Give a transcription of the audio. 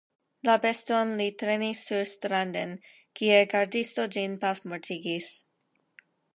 La beston li trenis surstranden, kie gardisto ĝin pafmortigis.